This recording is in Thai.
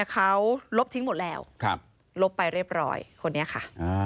เขาลบทิ้งหมดแล้วลบไปเรียบร้อยคนนี้ค่ะ